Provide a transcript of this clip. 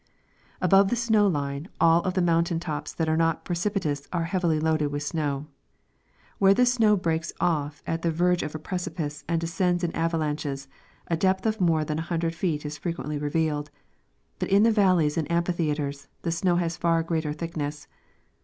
Above the snow line all of the mountain tops that are not pre cipitous are heavily loaded with snow. Where the snow breaks ofi' at the verge of a precipice and descends in avalanches a depth of more than a hundred feet is frequently revealed, but in the valleys and amphitheatres the snow has far greater thickness.